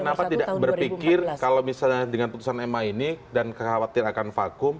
kenapa tidak berpikir kalau misalnya dengan keputusan ma ini dan khawatir akan vakuum